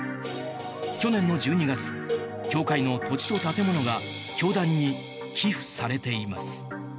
去年の１２月教会の土地と建物が教団に寄付されています。